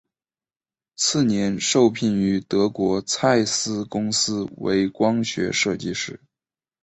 次年受聘于德国蔡司公司为光学设计师。